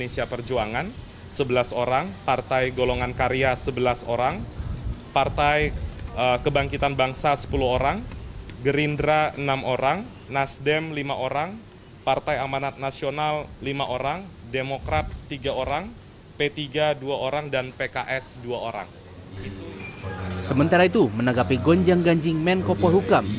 sementara itu menanggapi gonjang ganjing menkopo hukam